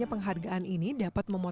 tiga dua satu